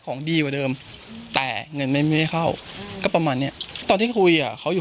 ของดีกว่าเดิมแต่เงินไม่เข้าก็ประมาณนี้ตอนที่คุยเขาอยู่